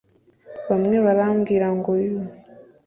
Bamwe barambwira ngo you